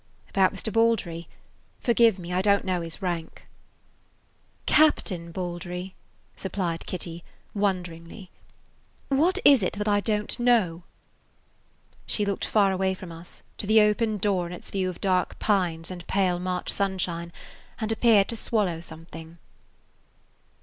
"About Mr. Baldry. Forgive me, I don't know his rank." "Captain Baldry," supplied Kitty, won [Page 20] deringly. "What is it that I don't know?" She looked far away from us, to the open door and its view of dark pines and pale March sunshine, and appeared to swallow something.